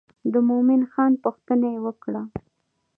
د مومن خان پوښتنه یې وکړه.